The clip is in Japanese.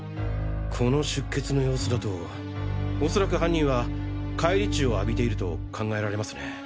この出血の様子だとおそらく犯人は返り血を浴びていると考えられますね。